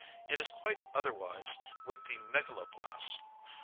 It is quite otherwise with the megaloblasts.